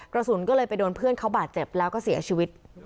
กระสุนก็เลยไปโดนเพื่อนเขาบาดเจ็บแล้วก็เสียชีวิต